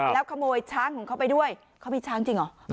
แล้วขโมยช้างของเขาไปด้วยเขามีช้างจริงเหรอ